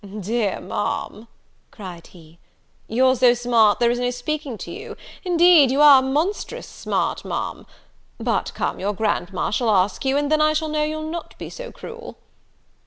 "Dear Ma'am," cried he, "you're so smart, there is no speaking to you; indeed you are monstrous smart, Ma'am! but come, your Grandmama shall ask you, and then I know you'll not be so cruel."